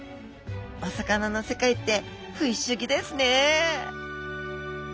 お魚の世界って不思議ですね